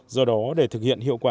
do đó để thực hiện hiệu quả